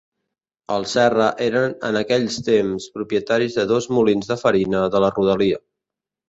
Els Serra eren en aquells temps propietaris de dos molins de farina de la rodalia.